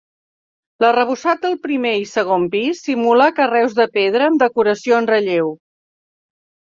L'arrebossat del primer i segon pis simula carreus de pedra amb decoració en relleu.